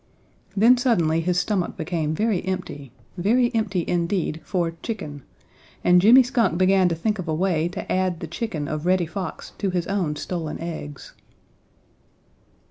Then suddenly his stomach became very empty, very empty indeed for chicken, and Jimmy Skunk began to think of a way to add the chicken of Reddy Fox to his own stolen eggs.